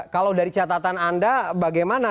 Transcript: kalau dari catatan anda bagaimana